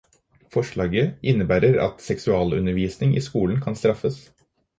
Forslaget innebærer at seksualundervisning i skolen kan straffes.